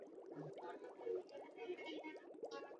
Njia mbili zilimshinda fisi.